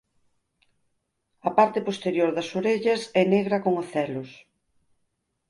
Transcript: A parte posterior das orellas é negra con ocelos.